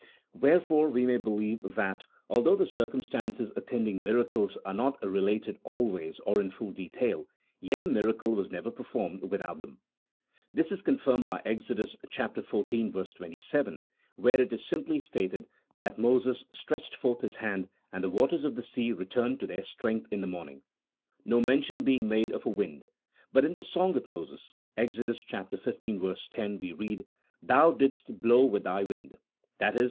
"Wherefore we may believe that, although the circum stances attending miracles are not related always or in full detail, yet a miracle was never performed without them. This is confirmed by Exodus xiv. 27, where it is simply stated that " Moses stretched forth his hand, and the waters of the sea returned to their strength in the morn ing," no mention being made of a wind ; but in the song of Moses (Exod. xv. 10) we read, " Thou didst blow with Thy wind (i.e.